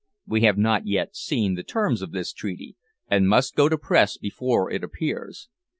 We have not yet seen the terms of this treaty, and must go to press before it appears.